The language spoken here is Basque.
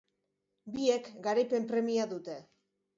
Biek garaipen premia dute.